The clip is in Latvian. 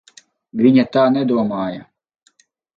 Viņa tā nedomāja.